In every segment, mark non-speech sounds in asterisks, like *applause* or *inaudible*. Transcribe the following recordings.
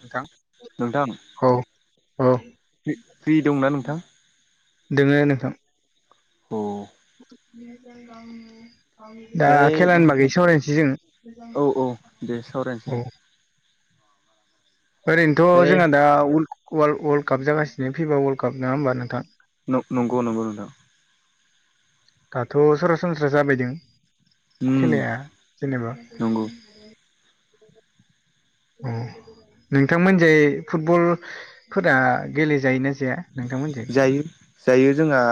नोंथां नोंथां औ औ फ्रि दंना नोंथां? दोङो नोंथां अ ज गावनो दा खेलानि बागै नोंथां सावरायनोसै जों औ। ओरैनोथ' ओमफ्राय जोंहा दा वुल वल्ड वर्ल्ड काप जागासिनो फिभा वर्ल्ड काप नङा होनोमबा नोंथां? न नंगौ नंगौ नोंथां। दाथ' सरासनस्रा जाबायदों उम खेलाया जेनेबा। नंगौ अ नोंथांमोन जे फुटबल फोरा गेलेजायोना जाया नोंथांमोनजै। जायो जायो जोंहा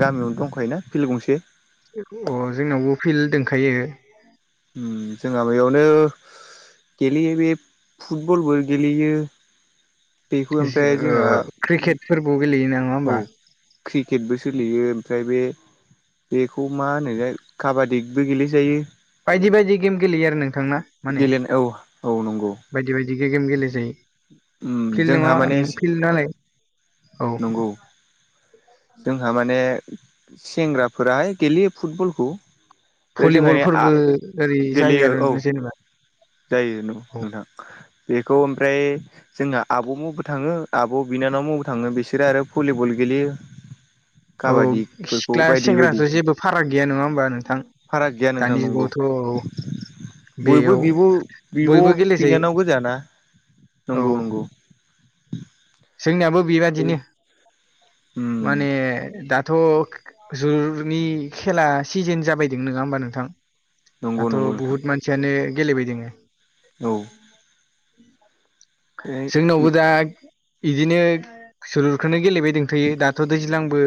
गामियावनो दंखायोना फिल गंसे। अ जोंनावबो फिल्ड दोंखायो। उम जोंहा बेयावनो गेलेयो बे फुटबलबो गेलेयो। बेखौ ओमफाय ओ जोंहा क्रिकेटफोरबो गेलेयो नङा होमबा औ। क्रिकेटबो सोलियो ओमफ्राय बे बेखौ मा होनोथाय काबादिबो गेलेजायो। बायदि बायदि गेम गेलेयो आरो नोंथांना माने गेलेनो औ औ नंगौ बायदि बायदि गेम गेले जायो। उम फिल्ड जोंहा नङा माने फिल्ड नालाय औ नंगौ जोंहा माने सेंग्राफोराहाय गेलेयो फुटबलखौ। बे जोंहानि भलिबलफोरबो ओरै जायो आ-गेलेयो आरो औ जेनेबा जायो न' औ नोंथां। बेखौ ओमफ्राय जोंना आब' मुबो थाङो आब' बिनानाव मुबो थाङो बिसोरो आरो भलिबल गेलेयो। औ काबादिफोरखौ सिख्ला बायदि बायदि सेंग्राथ' जेबो फाराग गैया नङा होमबा नोंथां। फाराग गैया नोंथां दानि नंगौ जुगावथ' बयबो बेयाव बिब' बयबो बिब' गेलेजायो बिनानाव गोजाना औ। नंगौ नंगौ जोंनियाबो बेबादिनो उम माने दाथ' जुरनि खेला सिजेन जाबायदों नोङा होमबा नोंथां नंगौ दाथ' नंगौ नोंथां बुहुत मान सियानो गेलेबाय दोङो। औ जोंनावबो दा इदिनो जोलुरखोनो गेलेबाय दोंंथ'यो दाथ' दैज्लांबो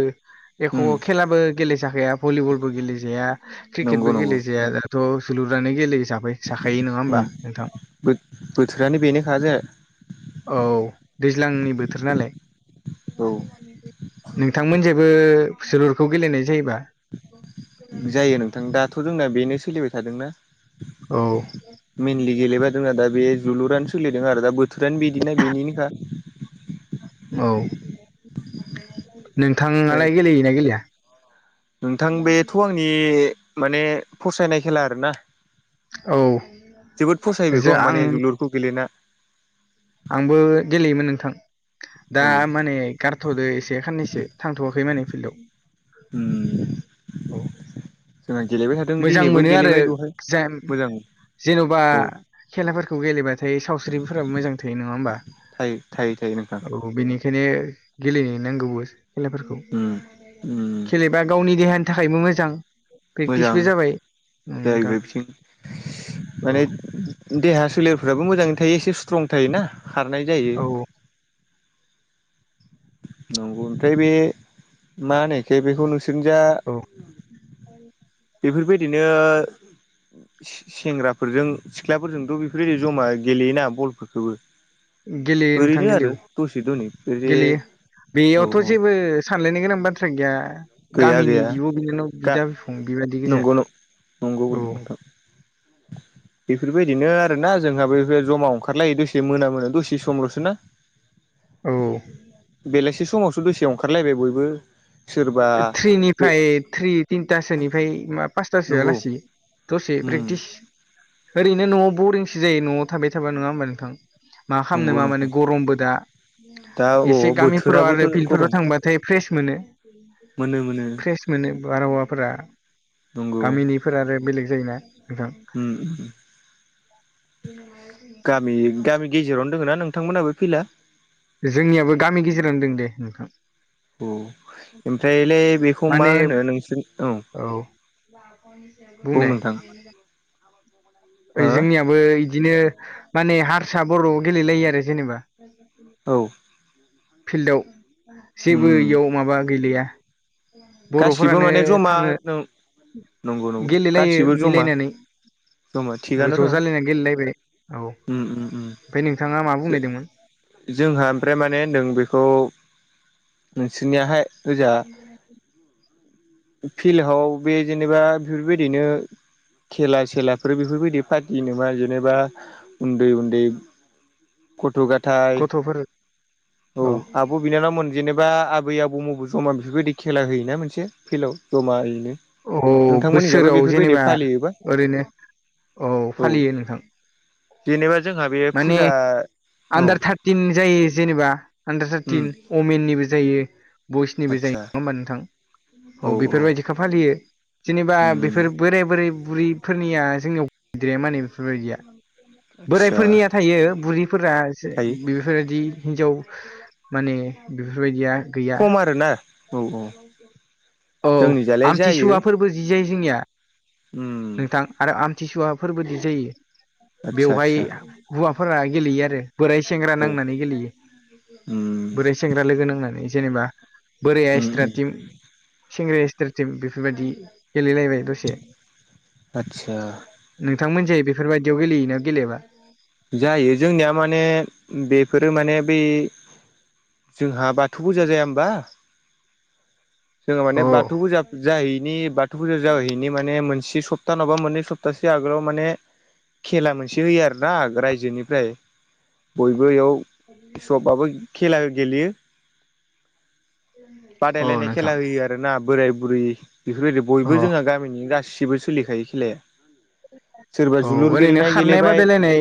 एख' उम खेलाबो गेलेेजाखाया भलिबलबो गेलेजाया क्रिकेट नंगौ बो नंगौ गेलेजाया दाथ' जोलुरानो गेले जाबाय जाखायो नङा होमबा नोंथां? बो-बोथोरानो बेनोखाजे औ दैज्लांनि बोथोर नालाय। औ नोंथांमोन जेबो जोलुरखौ गेलेनाय जायोबा। जायो नोंथां दाथ' जोंना बेनो सोलिबाय थादोंना। औ। मेनलि गेलेबा जोंहा दा बे जोलुरानो सोलिदों आरो दा बोथोरानो बिदिनो बेनिनोखा। औ ओमफ्राय नोंथाङालाय गेलेयोना गेलेया? नोंथां बेथ' आंनि माने फसायनाय खेला आरोना। औ जोबोद फसायो बेखौ आं माने जोलुरखौ गेलेना। आंबो गेलेयोमोन नोंथां‌। दा औ माने गारथ'दो एसे खाननैसो थांथ'वाखै माने फिल्डआव। औ। जोंहा गेलेबाय थादों। मोजां दिनैबो मोनो आरो गेलेबाय दहाय जेन मोजां जेन'बा औ खेलाफोरखौ गेलेबाथाय सावस्रिफोराबो मोजां थायो नङा होमबा थायो थायो थायो नोंथां औ। औ बेनिखायनो गेलेनो नांगौबो। खेलाफोरखौ उम उम खेलेबा गावनि देहानि थाखायबो मोजां। मोजां प्रेक्टिसबो जाबाय उम नोंथां जाहैबाय बिथिं औ माने देहा सोलेरफ्राबो मोजाङै थायो एसे स्ट्रं थायोना खारनाय जायो। औ *inaudible* नंगौ ओमफ्राय बे मा होनो इखो बेखौ नोंसोरनि जा औ बेफोरबायदिनो सेंग्राफोरजों सिख्लाफोरजोंथ' बेफोरबायदि जमा गेलेयोना बलफोरखोबो। गेलेयो नोंथां गेलेयो दनै औ बे गेलेयो औ बेयावथ' जेबो सानलायनो गोनां बाथ्रा गैया। गैया गामिनि गैया बिब' बिनानाव गा बिदा बिफं बिबादि गोजा नंगौ नंगौ औ। नोंथां बेफोरबायदिनो आरो ना जोंहाबोफोर जमा ओंखारलायो दसे मोना दसे सम लसोना। औ बेलासि समावसो दसे ओंखारलायबाय बयबो। सोरबा बे थ्रिनिफ्राय थ्रि तिनथासोनिफ्राय मा पासथासोआ नंगौ लासै दसे उम प्रेक्टिस ओरैनो न'आव बरिंसो जायो न'आव थाबाय थाबा नङा होमबा नोंथां। मा खालामनो नंगौ मा मानो नोंथां गरमबो दा। दा अ एसे गामिफोराव बोथोराबोथ' आरो फिल्डफोराव गरम थांबाथाय फ्रेस मोनो। मोनो मोनो फ्रेस मोनो बारहावाफोरा नंगौ गामिनि बेफोर आरो बेलेग जायोना नोंथां। उम गामि गामि गेजेरावनो दोङो ना नोंथांमोननाबो फिला? जोंनियाबो गामि गेजेरावनो दं दे नोंथां। औ ओमफ्रायलाय बेखौ मा माने होनो नोंसोर औ बुं बुंनाय नोंथां ओ हो जोंनियाबो इदिनो माने हारसा बर' गेलेलायो आरो जेनेबा। औ फिल्डआव जेबो उम इयाव माबा गैलया। गासिबो बर'फोरानो माने जमा थाङो। नंगौ नंगौ गेलेलायो गासिबो जमा मिलायनानै। जमा ओ थिगानो ज' दं जालायना गेलेलायबाय औ उम उम उम ओमफ्राय नोंथाङा मा बुंनो नागिरदोंमोन? जोंहा ओमफ्राय माने होनदों बेखौ नोंसोरनियाहाय होजा *unintelligible* फिल्डआव बे जेनेबा बेफोरबायदिनो खेला सेलाफोर बेफोरबायदि फाटियो नामा जेनेबा उन्दै उन्दै गथ' गथाइ गथ'फोर औ आ बिब' बिनानावमोन जेनेबा आबै आबौमोनजों समान बेफोरबायदि खेला होयोना मोनसे। फिलाव जमा ओरैनो। औ बोसोराव जेनेबा ओरैनो औ औ फालियो नोंथां। जेनेबा जोंहा बे माने फुजा औ आन्दार थाग टिन जायो जेनेबा आडार उम थार्टिन अमेननिबो जायो। बयसनिबो जायो आदसा नङा होमबा नोंथां औ बेफोरबायदिखौ फालियो। जेनेबा उम बेफोर बोराय बोराय बुरैफोरनिया जोंनियाव गैद्राया माने बेफोरबायदिया। आदसा बोरायफोरनिया थायो बुरिफोरा एसे थायो बे फोरबायदि हिन्जाव माने बेफोरबायदिया गैया खम आरो ना औ औ औ जोंनि जालाय जायो आमथिसुवाफोरबो जि जायो जोंनिया उम नोंथां। आरो आमथिसुवाफोर्बोदि जायो आदसा बेवहाय आदसा हौवाफोरा गेलेयो आरो। बोराय सेंग्रा औ नांनानै गेलेयो उम बोराय सेंग्रा लोगो नांनानै जेनेबा बोराय उम उम थ्राटिम सेंग्राया एसट्रा टिम बेफोरबायदि गेलेलायबाय दसे। आदसा नोंथांमोनजाय बेफोरबायदियाव गेलेयोना गेलेयाबा? जायो जोंनिया माने बेफोरो माने बि जोंहा बाथौ फुजा जाया होमबा। जोङो माने अ बाथौ फुजा जाहैनि बाथौ फुजा जाहैनि माने मोनसे सब सप्ताहनावबा मोननै सप्तासे आगोलाव माने खेला मोनसे होयो आरो ना रायजोनिफ्राय बयबो बेयाव सबाबो खेला गेलेयो। औ बादायलायनाय नोंथां खेला होयो आरोना बोराय बुरि बेफोरबायदि अ बयबो जोंहा गामिनि गासैबो खुलिखायो खेलाया सोरबा औ जोलुर ओरैनो गेलेनाय खारनाय गेलेबाय बादायलायनाय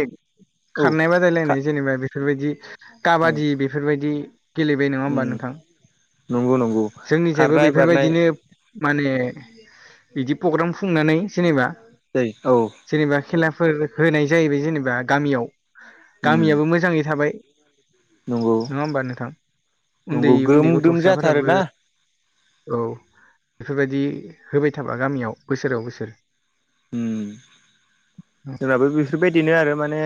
औ खारनाय खा बादायलायनाय जेनेबा बेफोरबायदि औ काबादि बेफोरबायदि गेलेबाय नङा उम होमबा नोंथां नंगौ नंगौ जोंनिजायबो खारनाय बारनाय बेफोरबायदिनो माने बिदि प्रग्राम खुंनानै जेनेबा दै औ जेनेबा खेलाफोर होनाय जाहैबाय जेनेबा गामियाव उम गामियाबो मोजाङै थाबाय नंगौ नङा होमबा नोंथां उन्दै नंगौ ग्रोम उन्दै ग्रोम गथ'साफोराबो जाथारोना औ बेफोरबायदि होबाय थाबा गामियाव बोसोराव बोसोर उम जोंनाबो बेफोरबायदिनो आरो माने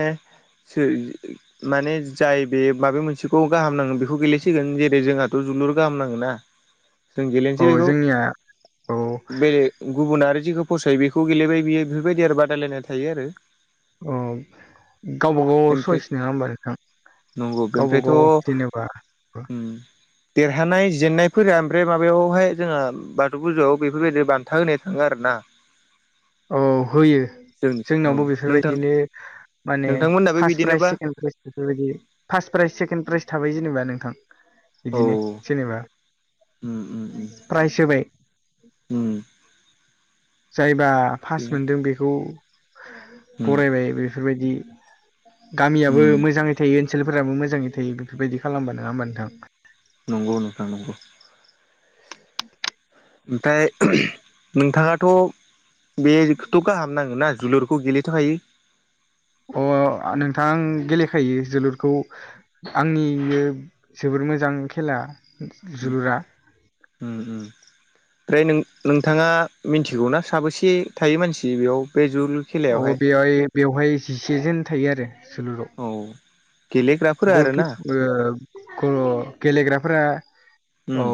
माने जाय बे माबे मोनसेखौ गाहाम नाङो बेखौ गेलेसिगोन जेरै जोंहाथ' जोलुर गाहाम नाङो ना *inaudible* औ जोंनिया औ बे गुबुन आरो जेखौ फसायो बेखौ गेलेबाय बियो बेफोरबायदि आरो बादायलायनाय थायो आरो अ गावबा गाव ओमफ्राय सयस नङा होमबा नोंथां गावबागाव जेनेबा उम देरहानाय जेननायफोरा ओमफ्राय माबायावहाय जोंहा बाथौ फुजायाव बेफोरबायदि बान्था होनाय दोंङो आरो ना औ होयो जोंनावबो नोंथां बेफोरबायदिनो माने नोंथांमोननाबो फार्स्ट प्राइज बिदिनोबा सेकेण्ड प्राइज बेफोरबायदि फार्स्ट प्राइज सेकेणड प्राइज थाबाय जेनेबा नोंथां औ बिदिनो उम जेनेबा उम प्राइज होबाय उम जायबा फास उम मोनदों बेखौ उम बरायबाय बेफोरबायदि गामियाबो उम मोजाङै थायो ओनसोलफोराबो मोजाङै थायो बेफोरबायदि खालामबा नङा होमबा नोंथां नंगौ नोंथां नंगौ *inaudible* ओमफ्राय नोंथाङाथ' बेखौथ' गाहाम खालामनांगोना जोलुरखौ गेलेनोथ' हायो अ' आ नोंथां गेलेखायो जोलुरखौ आंनिबो जोबोर मोजां खेला उम जोलुरा उम उम ओमफ्राय नों नोंथाङा मिथिगौ ना साबेसे थायो मानसि बेयाव बे जुलुर अ' बेवहाय बेवहाय जिसेजोन थायो आरो जुलुराव औ गेलेग्राफोरा आरोना गलकिप ओ ख' *unintelligible* गेलेग्राफोरा औ उम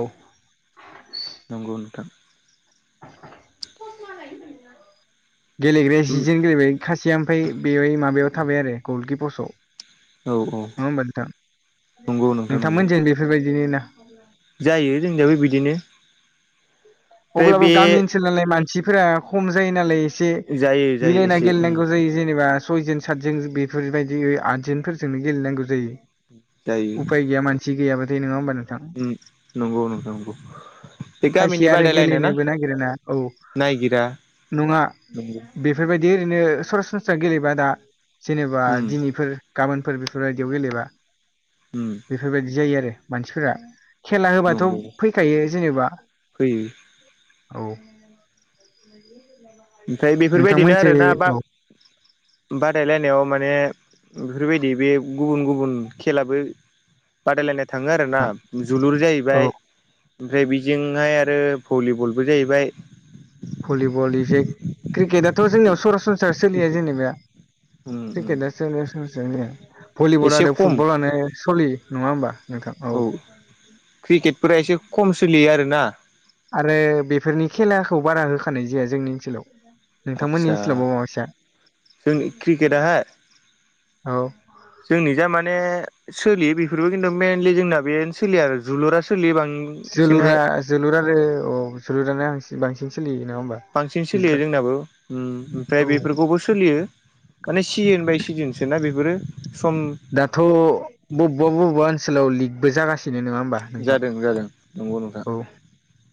नंगौ नोंथां गेलेग्राया उम जिसेजन गेलेबाय खासिया ओमफ्राय बे माबायाव थाबाय आरो गलकि पसआव औ नङा होमबा नोंथां नंगौ नोंथां नंगौ नोंथांमोनजों बेफोरबायदिनि ना ‌। जायो जोंनिबो बिदिनो। ओमफ्राय अब्लाबो बे गामि ओनसोल नालाय मानसिफोरा खम जायो नालाय एसे जायो जायो मिलायना एसे उम गेलेनांगौ जायो। जेनेबा सयजन सातजन बेफोरबायदि आदजनफोरजोंनो गेलेनांगौ जायो। जायो उफाय गैया मानसि गैयाबाथाय नङा होमबा नोंथां नंगौ नोंथां नंगौ बे गामिनि खायसेया ब आरो गेलेनोबो नागिर ना औ नङा नंगौ बेफोरबायदि ओरैनो सरासनस्रा गेलेबा दा जेनेबा उम दिनैफोर गाबोनफोर बेफोरबायदियाव गेलेबा उम। बेफोरबायदि जायो आरो मानसिफोरा। खेला होबाथ' नंगौ फैखायो जेनेबा फैयो। औ। ओमफ्राय बेफोरबायदिनो नोंथांमोनसो आरोना बा औ बादायलायनायाव माने बेफोरबायदि बे गुबुन गुबुन खेलाबो बादायलायनाय थाङो आरो ना जोलुर औ जाहैबाय ओमफ्राय बेजोंहाय आरो भलिबलबो जाहैबाय। भलिबल इसे क्रिकेटआथ' जोंनियाव सरासनस्रा सोलिया क्रिकेट जेनेबा उम उम क्रिकेटआ *unintelligible* एसे भलिबलानो खम फुटबलानो सोलियो नङा होमबा? औ क्रिकेटफोरा एसे खम सोलियो आरोना। आरो बेफोरनि खेलाखौ बारा होखानाय जाया जोंनि ओनसोलाव। नोंथांमोननि आचसा ओनसोलाव माबायसा *inaudible* जोंनि क्रिकेटाहा *inaudible* औ जोंनि जा माने सोलियो बेफोरबो खिन्थु मेइलि जोंना बेनो सोलिया आरो जोलुरा सोलियो बां जोलुरा जोलुर आरो औ जोलुरानो आ बांसिन सोलियो नङा होमबा? बांसिन सोलियो दैज्लां जोंनाबो उम ओमफ्राय औ बेफोरखौबो सोलियो। माने सिजोन बाय सिजोनसोना बेफोरो सम दाथ' बबेबा बबेबा ओनसोलाव लिगबो जागासिनो नङा होमबा? जादों जादों नंगौ नोंथां। गौ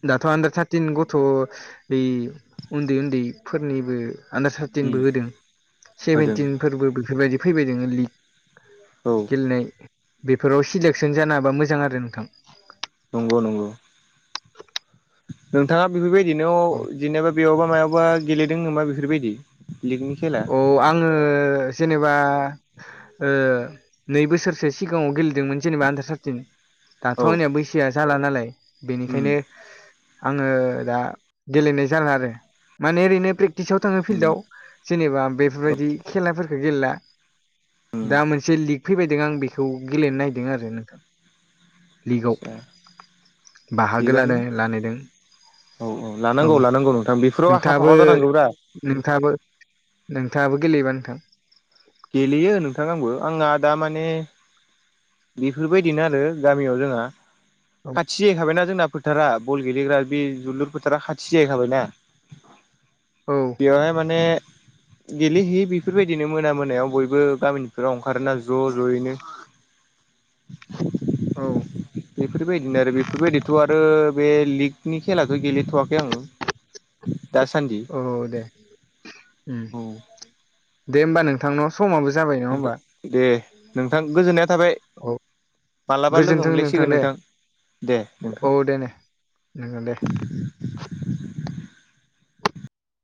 दाथ' आन्दार थार्टिन गथ' बे उन्दै उन्दैफोरनिबो आन्दार उम थार्टिनबो होदों होदों सेभेनटिनफोरबो बेफोरबायदि फैबाय दोङा लिग। औ। गेलेनाय बेफोराव सिलेकसन जानाबा मोजां आरो नोंथां। नंगौ नंगौ। नोंथाङा बेफोरबायदिनो जेनेबा बेयावबा मायावबा गेलेदों नामा बेफोरबायदि? लिगनि खेला अ आङो जेनेबा ओ नै बोसोरसो सिगाङाव गेलेदोंमोन जेनेबा आन्दार थारटिन। औ दाथ' आंनिया बैसोआ जाला नालाय उम बेनिखायनो आङो दा गेलेनाय जाला आरो माने ओरैनो प्रे टिसआव थाङो औ फिल्डआव जेनेबा बेफोरबायदि खेलाफोरखौ गेलेला। उम दा मोनसे लिग फैबायदों आं बेखौ गेलेनो नागदों आरो नोंथां। लिगाव आदसा *inaudible* बाहागो थिगानो लादों लानायदों। औ औ लानांगौ लानांगौ नोंथां बेफोराव आखा नोंथाङाबो फाखा जानांगौब्रा। नोंथाङाबो नोंथाङाबो गेलेयोबा नोंथां? गेलेयो नोंथां आंबो आंहा दा माने बेफोरबायदिनो आरो गामियाव जोंहा खाथि जाहैखाबायना जोंना फोथारा बल गेलेग्रा बे जलुर फोथारा खाथि जाहैखाबायना। औ बेयावहाय माने गेलेहैयो बेफोरबायदिनो मोना मोनायाव बयबो गामिफोराव ओंखारोना ज' ज'यैनो। औ। बेफोरबायदिनो आरो बेफोरबायदिथ' आरो बे लिगनि खेलाथ' गेलेथ'वाखै आङो। दासान्दि औ दे उम *inaudible* औ। दे होमबा नोंथांनाव समाबो जाबाय नंङा होमबा? दे नोंथां गोजोननाया थाबाय *inaudible* औ। मालाबा लोगो गोजोन्थों नोंथां मोनलायसिगोन दे। दे नोंथां औ दे दे नंगौ दे।